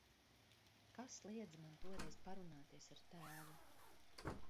Kas liedza man toreiz parunāties ar tēvu.